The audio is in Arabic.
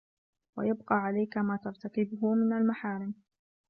وَيَبْقَى عَلَيْك مَا تَرْتَكِبُهُ مِنْ الْمَحَارِمِ